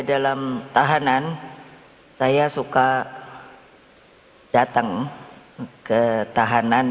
dalam tahanan saya suka datang ke tahanan